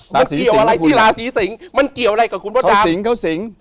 มันเกี่ยวอะไรที่ลาศรีสิงค์มันเกี่ยวอะไรกับคุณพระอาจารย์